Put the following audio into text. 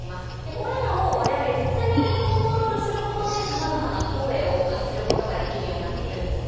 これらを我々絶妙にコントロールすることでさまざまな声を発することができるようになっているんですね。